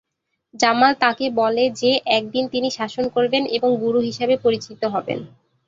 জামাল তাকে বলে যে একদিন তিনি শাসন করবেন এবং গুরু হিসাবে পরিচিত হবেন।